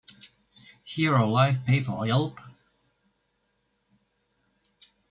Hear a live paper yelp!